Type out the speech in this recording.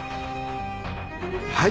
はい。